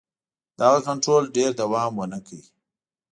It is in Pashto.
دغه کنټرول ډېر دوام ونه کړ.